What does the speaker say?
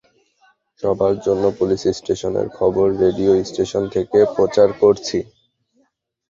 সবার জন্য পুলিশ স্টেশনের খবর রেডিও স্টেশন থেকে প্রচার করছি।